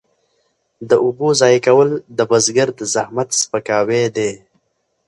د اوبو ضایع کول د بزګر د زحمت سپکاوی دی.